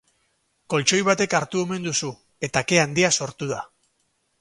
Koltxoi batek hartu omen du su, eta ke handia sortu da.